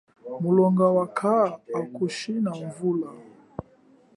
Mulonga wakha akuchina vula?